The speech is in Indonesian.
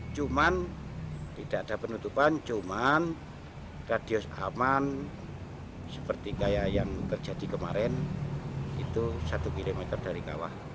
cuman tidak ada penutupan cuman radius aman seperti kayak yang terjadi kemarin itu satu km dari kawah